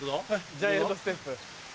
ジャイアントステップ。